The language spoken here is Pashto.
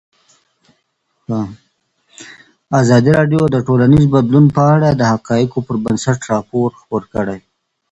ازادي راډیو د ټولنیز بدلون په اړه د حقایقو پر بنسټ راپور خپور کړی.